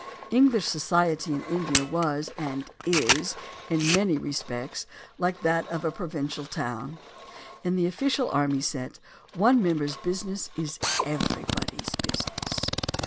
English society in India was, and is, in many respects like that of a provincial town. In the official and army set, one member's business is everybody's busi ness.